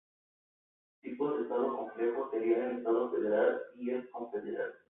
Tipos de Estado complejo serían el Estado federal y el confederal.